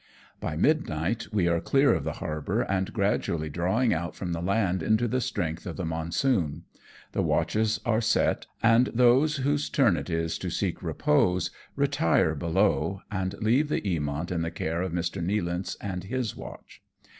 By midnight we are clear of the harbour, and gradually drawing out from the land into the strength of the monsoon ; the watches are set, and those whose turn it is to seek repose retire below, and leave the Eamont in the care of Mr. Nealance and his watch.